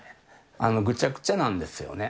ぐちゃぐちゃなんですよね。